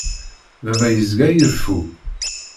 Baba yezga ireffu.